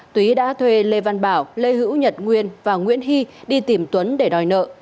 tú đã thuê lê văn bảo lê hữu nhật nguyên và nguyễn hy đi tìm tuấn để đòi nợ